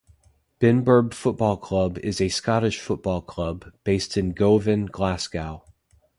Benburb Football Club is a Scottish football club, based in Govan, Glasgow.